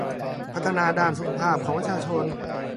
พัฒนาด้านสุขภาพของประชาชน